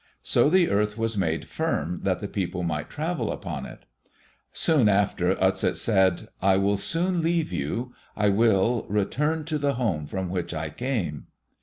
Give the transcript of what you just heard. So the earth was made firm that the people might travel upon it. Soon after Utset said, "I will soon leave you. I will, return to the home from which I came."